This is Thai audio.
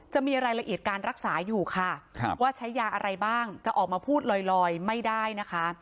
จะมีรายละเอียดการรักษาอยู่ค่ะว่าใช้ยาอะไรบ้างจะออกมาพูดลอยไม่ได้นะคะ